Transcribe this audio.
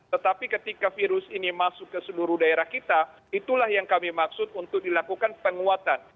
tetapi ketika virus ini masuk ke seluruh daerah kita itulah yang kami maksud untuk dilakukan penguatan